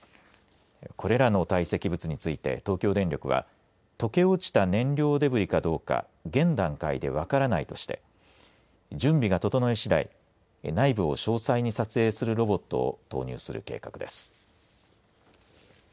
これらの堆積物について東京電力は溶け落ちた燃料デブリかどうか現段階で分からないとして準備が整い次第内部を詳細に撮影するロボットを投入する計画です。